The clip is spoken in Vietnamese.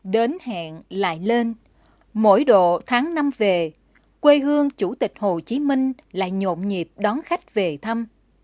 đến hẹn lại lên mỗi độ tháng năm về quê hương chủ tịch hồ chí minh lại nhộn nhịp đón khách về thăm